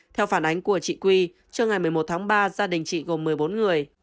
theo phản ánh của chị quy trưa ngày một mươi một tháng ba gia đình chị gồm một mươi bốn người